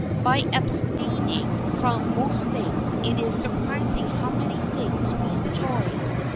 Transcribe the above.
By abstaining from most things it is surprising how many things we enjoy.